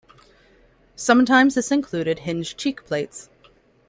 Sometimes this included hinged cheek plates.